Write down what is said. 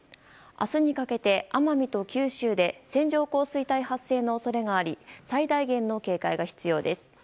明日にかけて奄美と九州で線状降水帯発生の恐れがあり最大限の警戒が必要です。